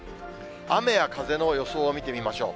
雨や風の予想を見てみましょう。